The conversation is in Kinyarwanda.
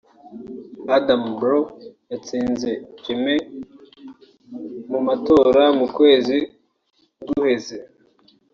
Adama Barrow yatsinze Jammey mu matora mu kwezi guheze